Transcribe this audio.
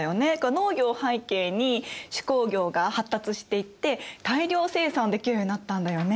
農業を背景に手工業が発達していって大量生産できるようになったんだよね。